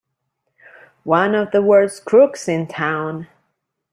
One of the worst crooks in town!